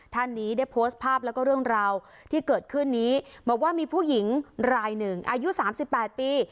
ท่านนี้ได้โพสต์ภาพแล้วก็เรื่องราวที่เกิดขึ้นนี้บอกว่ามีผู้หญิงรายหนึ่งอายุ๓๘ปี